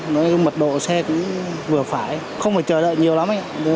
nói mật độ xe cũng vừa phải không phải chờ đợi nhiều lắm